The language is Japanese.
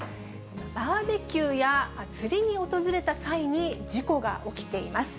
バーベキューや釣りに訪れた際に、事故が起きています。